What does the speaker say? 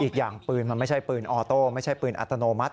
อีกอย่างปืนมันไม่ใช่ปืนออโต้ไม่ใช่ปืนอัตโนมัติ